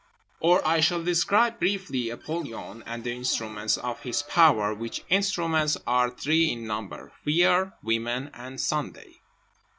Or: I shall describe, briefly, Apollyon and the instruments of his power, which instruments are three in number: Fear, Women and Sunday.